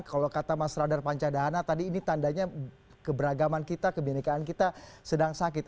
kalau kata mas radar panca dahana tadi ini tandanya keberagaman kita kebenekaan kita sedang sakit